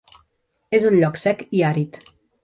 És un lloc sec i àrid.